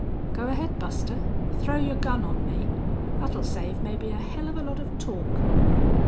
"Go ahead, Buster. Throw your gun on me. That'll save maybe a hell of a lot of talk."